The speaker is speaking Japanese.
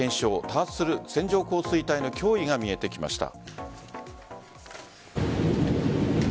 多発する線状降水帯の脅威が見えてきました。